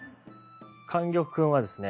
莟玉君はですね